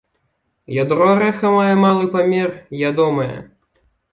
Ядро арэха мае малы памер, ядомае.